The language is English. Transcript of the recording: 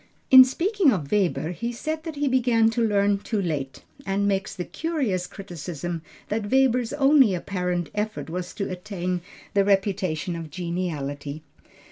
In speaking of Weber he said that he began to learn too late, and makes the curious criticism that Weber's only apparent effort was to attain the reputation of geniality.